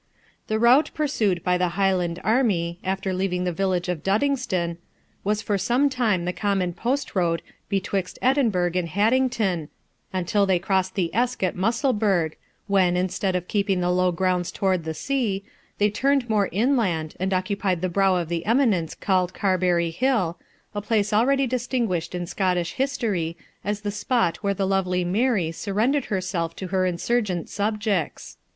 The route pursued by the Highland army, after leaving the village of Duddingston, was for some time the common post road betwixt Edinburgh and Haddington, until they crossed the Esk at Musselburgh, when, instead of keeping the low grounds towards the sea, they turned more inland, and occupied the brow of the eminence called Carberry Hill, a place already distinguished in Scottish history as the spot where the lovely Mary surrendered herself to her insurgent subjects.